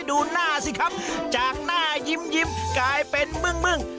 ดูหน้าสิครับจากหน้ายิ้มกลายเป็นมึง